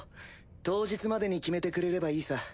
当日までに決めてくれればいいさ。